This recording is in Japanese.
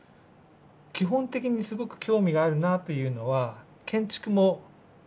基本的にすごく興味があるなというのは建築も同じなんですね。